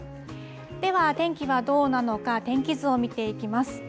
では天気はどうなのか、天気図を見ていきます。